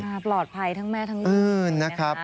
เป็นปลอดภัยทั้งแม่ทั้งลูก